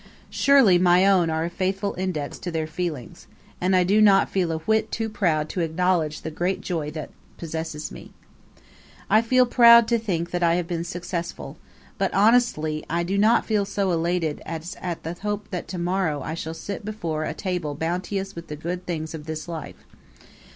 Surely, my own are a faithful index to their feelings; and I do not feel a whit too proud to acknowledge the great joy that possesses me. I feel proud to think that I have been successful; but, honestly, I do not feel so elated at that as at the hope that to morrow I shall sit before a table bounteous with the good things of this life.